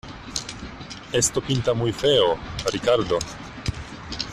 esto pinta muy feo, Ricardo.